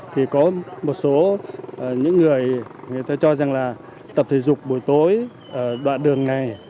thì có một số những người người ta cho rằng là tập thể dục buổi tối ở đoạn đường này